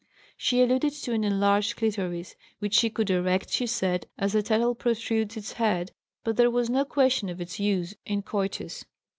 She alluded to an enlarged clitoris which she could erect, she said, as a turtle protrudes its head, but there was no question of its use in coitus.